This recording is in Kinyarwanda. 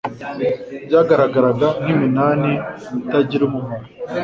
byagaragaraga nk'iminani itagira umumaro.